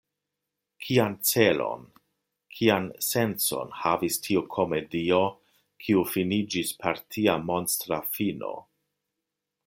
Kian celon, kian sencon havis tiu komedio, kiu finiĝis per tia monstra fino?